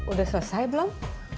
udah selesai belum